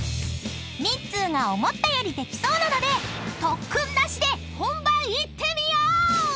［ミッツーが思ったよりできそうなので特訓なしで本番いってみよう］